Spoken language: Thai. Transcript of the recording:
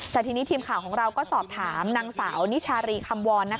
แต่ทีนี้ทีมข่าวของเราก็สอบถามนางสาวนิชารีคำวร